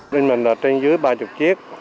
mình là trên dưới ba mươi chiếc